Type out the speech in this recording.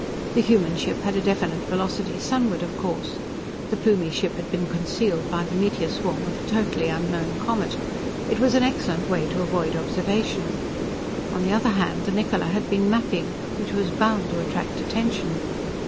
The human ship had a definite velocity sunward, of course. The Plumie ship had been concealed by the meteor swarm of a totally unknown comet. It was an excellent way to avoid observation. On the other hand, the Niccola had been mapping, which was bound to attract attention.